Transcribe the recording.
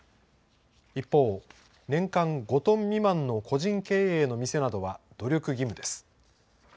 一方、年間５トン未満の個人経営の店などは、努力義務です。